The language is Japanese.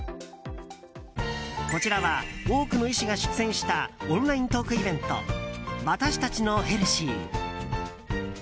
こちらは多くの医師が出演したオンライントークイベントわたしたちのヘルシー。